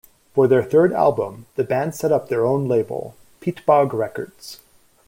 For their third album the band set up their own label, Peatbog Records.